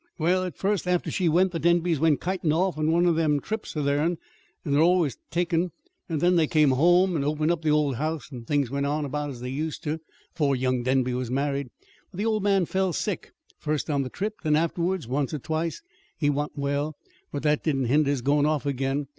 "Well, at first, after she went, the Denbys went kitin' off on one o' them trips o' theirn, that they're always takin'; then they come home and opened up the old house, and things went on about as they used to 'fore young Denby was married. But the old man fell sick first on the trip, then afterwards, once or twice. He wa'n't well; but that didn't hinder his goin' off again.